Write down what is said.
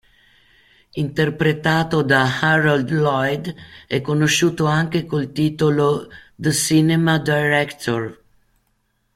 Interpretato da Harold Lloyd, è conosciuto anche col titolo "The Cinema Director".